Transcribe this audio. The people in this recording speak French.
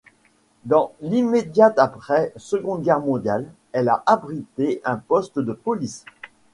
Dans l'immédiate après Seconde Guerre mondiale, elle a abrité un poste de police.